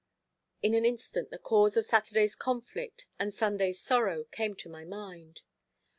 In an instant the cause of Saturday's conflict and Sunday's sorrow came to my mind.